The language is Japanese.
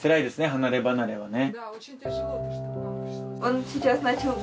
離れ離れはね